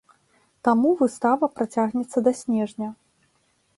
Таму выстава працягнецца да снежня.